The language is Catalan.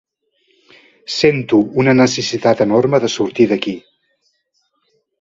Sento una necessitat enorme de sortir d'aquí.